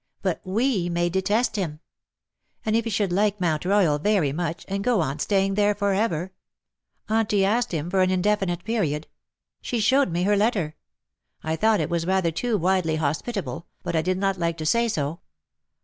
But we may detest him. And if he should like Mount Royal very much, and go on staying there for ever ! Auntie asked him for an indefinite period. She showed me her letter. I thought it was rather too widely hospitable^ but I did not like to say so.